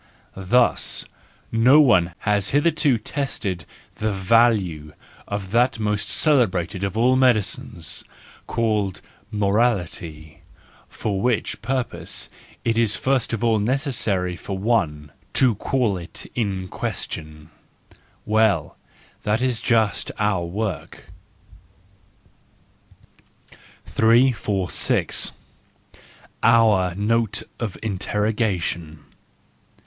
—Thus, no one has hitherto tested the value of that most cele¬ brated of all medicines, called morality: for which purpose it is first of all necessary for one —to call it in question , Well, that is just our work.— 346 . Our Note of Interrogation